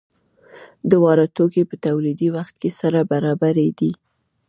دواړه توکي په تولیدي وخت کې سره برابر دي.